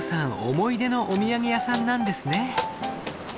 思い出のお土産屋さんなんですね。